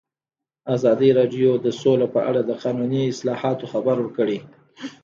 ازادي راډیو د سوله په اړه د قانوني اصلاحاتو خبر ورکړی.